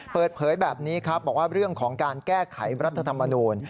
เปิดเผยแบบนี้ครับบอกว่าเรื่องของการแก้ไขรัฐธรรมนูล